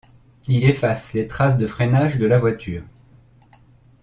Il efface les traces de freinage de la voiture.